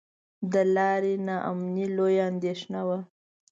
د لارې نا امني لویه اندېښنه وه.